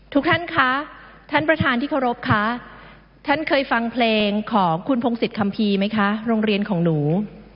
ทุกท่านคะท่านประธานที่เคารพคะท่านเคยฟังเพลงของคุณพงศิษยคัมภีร์ไหมคะโรงเรียนของหนู